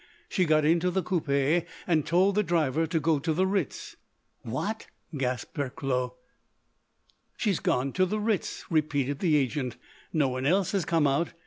She got into the coupé and told the driver to go to the Ritz." "What!" gasped Recklow. "She's gone to the Ritz," repeated the agent. "No one else has come out.